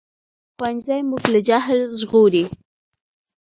ښوونځی موږ له جهل ژغوري